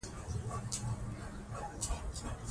هغه چمتو دی د انتقالي حکومت مرسته وکړي.